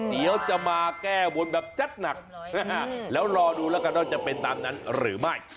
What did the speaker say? เดี๋ยวจะมาแก้บนแบบจัดหนักแล้วรอดูแล้วกันว่าจะเป็นตามนั้นหรือไม่